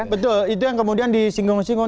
betul itu yang kemudian di singgung singgung